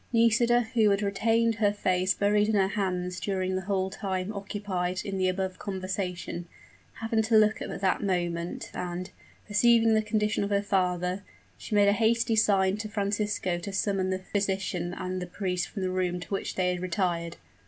Nisida, who had retained her face buried in her hands during the whole time occupied in the above conversation, happened to look up at that moment; and, perceiving the condition of her father, she made a hasty sign to Francisco to summon the physician and the priest from the room to which they had retired.